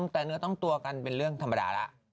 แต่เนื้อต้องตัวกันเป็นเรื่องธรรมดาแล้ว